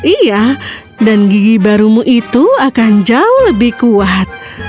iya dan gigi barumu itu akan jauh lebih kuat